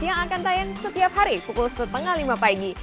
yang akan tayang setiap hari pukul setengah lima pagi